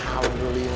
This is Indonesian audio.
abang jangan berisik